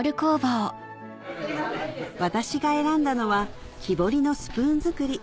私が選んだのは木彫りのスプーン作り